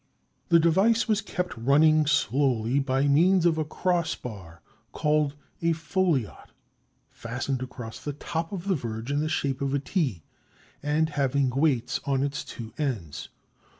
The device was kept running slowly by means of a cross bar called a "foliot," fastened across the top of the verge in the shape of a T, and having weights on its two ends.